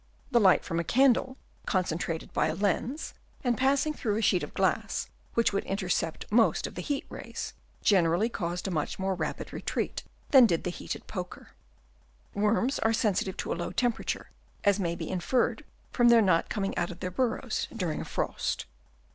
The light from a candle, concentrated by a lens and passing through a sheet of glass which would intercept most of the heat rays, generally caused a much more rapid retreat than did the heated poker. Worms are sensitive to a low temper ature, as may be inferred from their not coming out of their burrows during a frost.